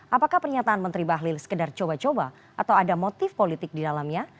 apakah pernyataan menteri bahlil sekedar coba coba atau ada motif politik di dalamnya